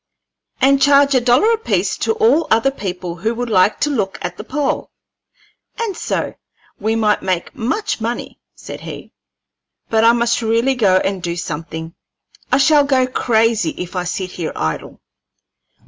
"And charge a dollar apiece to all other people who would like to look at the pole, and so we might make much money," said he. "But I must really go and do something; I shall go crazy if I sit here idle."